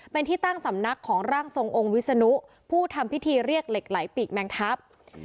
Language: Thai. เป็นที่ตั้งสำนักของร่างทรงองค์วิศนุผู้ทำพิธีเรียกเหล็กไหลปีกแมงทัพ